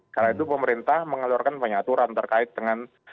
karena itu pemerintah mengeluarkan penyaturan terkait dengan